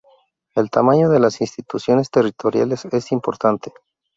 El tamaño de las instituciones territoriales es importante.